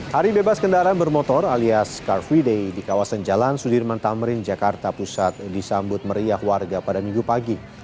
hari bebas kendaraan bermotor alias car free day di kawasan jalan sudirman tamrin jakarta pusat disambut meriah warga pada minggu pagi